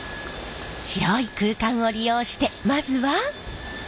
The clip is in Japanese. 広い空間を利用してまずは。